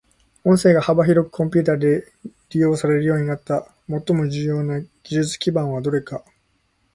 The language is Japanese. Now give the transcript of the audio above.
音声が幅広くコンピュータで利用されるようになった最も重要な技術基盤はどれか。